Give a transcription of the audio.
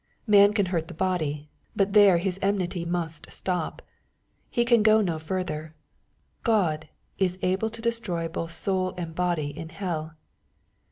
Man can hurt the body, but there his enmity must stop. He can go no ftirther. God "is able to destroy both soul and body in hell."